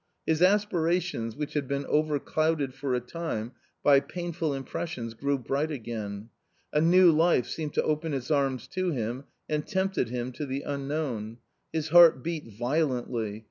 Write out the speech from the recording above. His aspirations, which had been overclouded for a time by painful impressions, grew bright again ; a new life seemed to open its arms to him, and tempted him to the unknown. His heart beat violently.